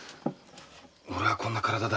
俺はこんな体だ。